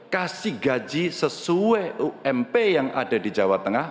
kasih gaji sesuai ump yang ada di jawa tengah